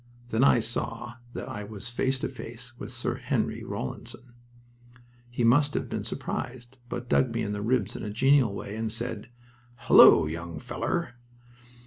Then I saw that I was face to face with Sir Henry Rawlinson. He must have been surprised, but dug me in the ribs in a genial way, and said, "Hullo, young feller!"